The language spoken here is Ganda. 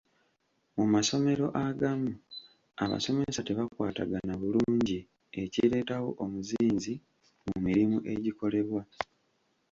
Mu masomero agamu, abasomesa tebakwatagana bulungi ekireetawo omuzinzi mu mirimu egikolebwa.